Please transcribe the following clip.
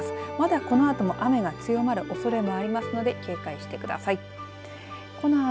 まだこのあとも雨が強まるおそれがありますので警戒してください。